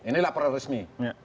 ini laporan resmi